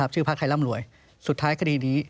ชื่อภาคให้ร่ำรวยสุดท้ายคดีนี้